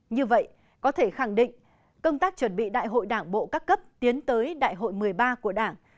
như vậy có thể khẳng định công tác chuẩn bị đại hội đảng bộ các cấp tiến tới đại hội một mươi ba của đảng